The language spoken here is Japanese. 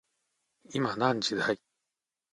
今何時だい